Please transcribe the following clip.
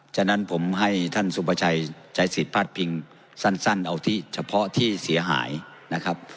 ฉะนั้นผมให้ท่านสุภาชัยใช้สิทธิ์พลาดพิงสั้นเอาที่เฉพาะที่เสียหายนะครับ